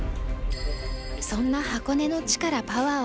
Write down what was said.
そんな箱根の地からパワーをもらい